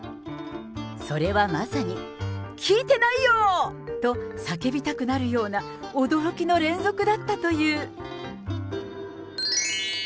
それはまさに、聞いてないよー！と叫びたくなるような、驚きの連続だったという。